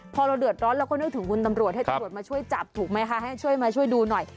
พอเราเดือดร้อนเราก็นึกถึงคุณตำรวจให้ตำรวจมาช่วยจับถูกไหมคะให้ช่วยมาช่วยดูหน่อย